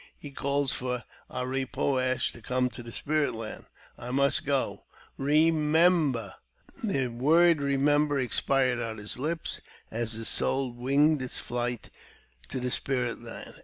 He calls for A ra poo ash to come to the Spirit Land. I must go. Ee — mem — ber !" The word ''remember" expired on his lips as his soul winged its flight to the Spirit Land.